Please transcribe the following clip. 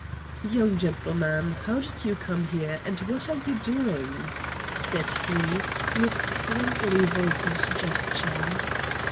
"Young gentleman, how did you come here, and what are you doing?" said he, with friendly voice and gesture.